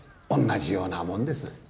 おんなじようなもんです。